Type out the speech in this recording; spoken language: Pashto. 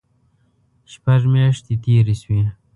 شپږ میاشتې تېرې شوې.